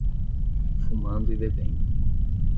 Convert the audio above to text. Fumando e bebendo